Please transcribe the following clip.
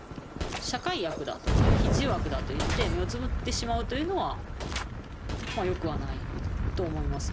社会悪だとか必要悪だといって目をつむってしまうというのはまあよくはないと思います。